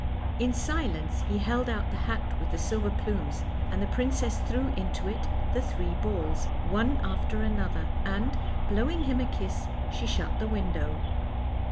In silence he held out the hat with the silver plumes, and the princess threw into it the three balls, one after another, and, blowing him a kiss, she shut the window.